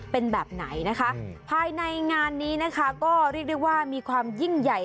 เป็นแบบไหนนะคะภายในงานนี้นะคะก็เรียกได้ว่ามีความยิ่งใหญ่